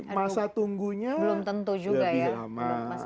masa tunggunya lebih lama